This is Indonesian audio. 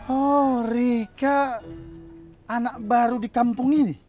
oh rika anak baru di kampung ini